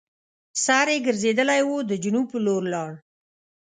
سر یې ګرځېدلی وو د جنوب پر لور لاړ.